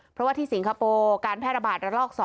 เพราะว่าที่สิงคโปร์การแพร่ระบาดระลอก๒